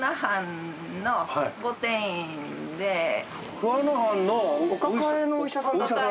桑名藩のお抱えのお医者さんだったと。